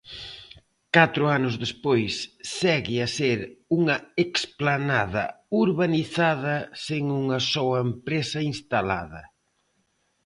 Catro anos despois segue a ser unha explanada urbanizada sen unha soa empresa instalada.